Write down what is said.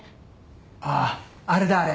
あああれだあれ。